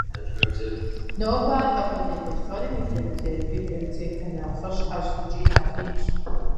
Нобэ ар Къэбэрдей-Балъкъэрым и библиотекэ нэхъыщхьэщ икӏи нэхъ инщ.